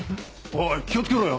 おい気を付けろよ！